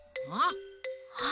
あ？